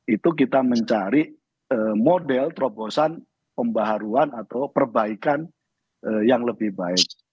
itu kita mencari model terobosan pembaharuan atau perbaikan yang lebih baik